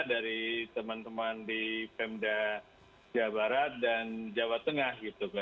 dari teman teman di pemda jawa barat dan jawa tengah